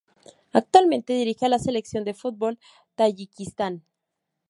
Actualmente dirige a la Selección de fútbol de Tayikistán.